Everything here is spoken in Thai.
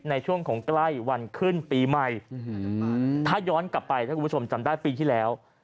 ในช่วงของใกล้วันขึ้นปีใหม่ถ้าย้อนกลับไปถ้าคุณผู้ชมจำได้ปีที่แล้ว